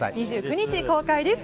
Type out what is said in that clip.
２９日公開です。